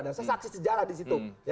saya saksi sejarah disitu